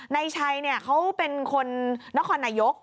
นายชัยเขาเป็นคนนครนายก